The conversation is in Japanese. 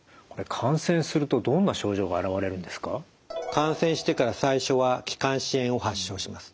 感染してから最初は気管支炎を発症します。